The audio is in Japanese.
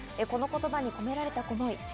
この言葉に込められた思い。